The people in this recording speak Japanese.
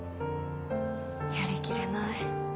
やりきれない。